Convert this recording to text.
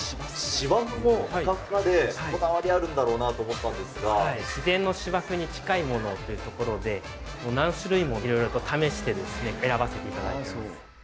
芝生もふかふかでこだわりあ自然の芝生に近いものをというところで、何種類もいろいろと試してですね、選ばせていただい